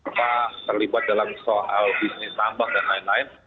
apa terlibat dalam soal bisnis tambang dan lain lain